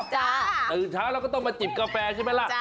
ตื่นเช้าแล้วก็ต้องมาจิบกาแฟใช่มั้ยล่ะ